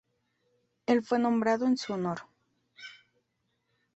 El fue nombrado en su honor.